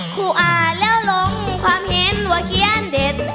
ครูอ่านแล้วลงความเห็นว่าเขียนเด็ด